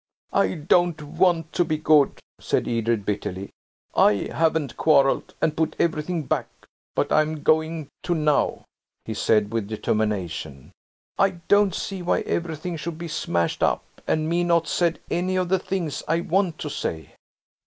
"I don't want to be good," said Edred bitterly. "I haven't quarrelled and put everything back, but I'm going to now," he said, with determination. "I don't see why everything should be smashed up and me not said any of the things I want to say."